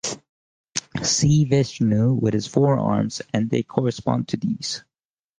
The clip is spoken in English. See Vishnu with his four arms and they correspond to these.